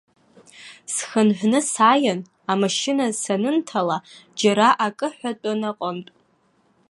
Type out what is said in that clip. Схынҳәны сааин, амашьына санынҭала, џьара акы ҳәатәын аҟынтә.